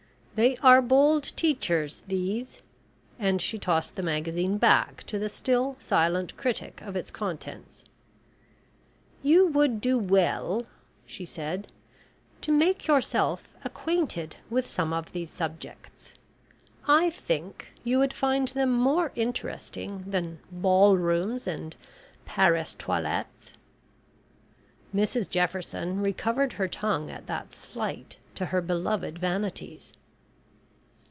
They are bold teachers, these," and she tossed the magazine back to the still silent critic of its contents. "You would do well," she said, "to make yourself acquainted with some of these subjects. I think you would find them more interesting than ball rooms and Paris toilettes." Mrs Jefferson recovered her tongue at that slight to her beloved vanities.